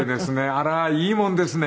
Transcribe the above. あれはいいもんですね。